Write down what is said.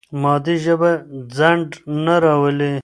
مادي ژبه ځنډ نه راولي.